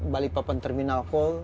balikpapan terminal hall